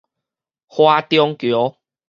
華中橋